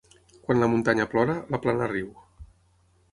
Quan la muntanya plora, la plana riu.